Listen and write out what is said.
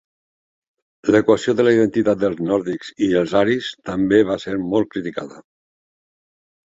L'equació de la identitat dels nòrdics i els aris també va ser molt criticada.